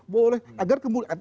boleh agar kemudian